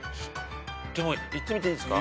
でもいってみていいですか？